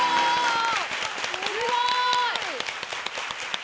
すごい！